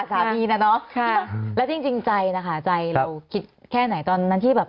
สามีน่ะเนอะแล้วจริงจริงใจนะคะใจเราคิดแค่ไหนตอนนั้นที่แบบ